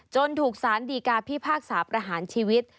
จนถูกสารดีการพี่ภาคสาประหารชีวิต